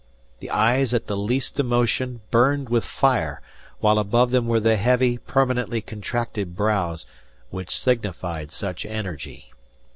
The eyes at the least emotion, burned with fire, while above them were the heavy, permanently contracted brows, which signified such energy.